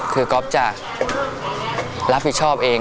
คือก๊อฟจะรับผิดชอบเอง